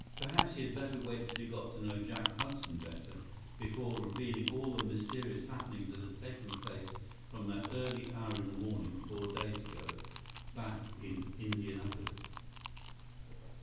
Perhaps he had better wait until he got to know Jack Hudson better before revealing all the mysterious happenings that had taken place from that early hour in the morning four days ago, back in Indianapolis.